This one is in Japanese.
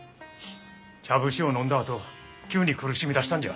茶節を飲んだあと急に苦しみだしたんじゃ。